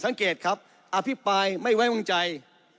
สังเกตครับอภิปรายไม่ไว้วางใจ